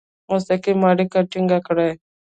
مستقیم اړیکي ټینګ کړي.